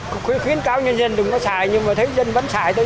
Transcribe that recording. cũng khuyến cáo nhân dân đừng có xài nhưng mà thấy dân vẫn xài